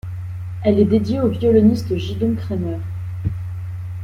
Elle est dédiée au violoniste Gidon Kremer.